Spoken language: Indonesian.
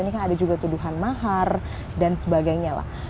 ini kan ada juga tuduhan mahar dan sebagainya lah